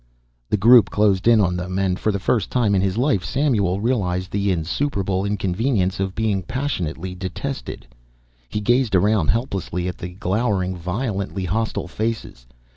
The group closed in on them and for the first time in his life Samuel realized the insuperable inconvenience of being passionately detested. He gazed around helplessly at the glowering, violently hostile faces.